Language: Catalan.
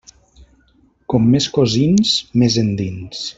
Com més cosins, més endins.